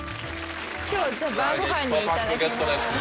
今日晩ごはんにいただきます